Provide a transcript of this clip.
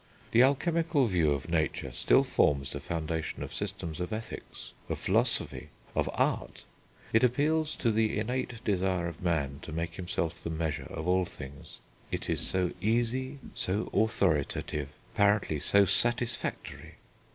The alchemical view of nature still forms the foundation of systems of ethics, of philosophy, of art. It appeals to the innate desire of man to make himself the measure of all things. It is so easy, so authoritative, apparently so satisfactory.